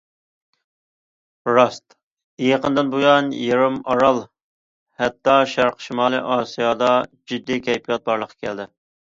راست، يېقىندىن بۇيان يېرىم ئارال ھەتتا شەرقىي شىمالىي ئاسىيادا جىددىي كەيپىيات بارلىققا كەلدى.